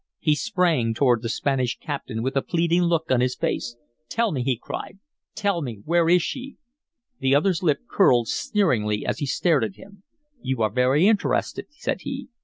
He sprang toward the Spanish captain with a pleading look on his face. "Tell me!" he cried. "Tell me where is she?" The other's lip curled sneeringly as he stared at him. "You are very much interested," said he.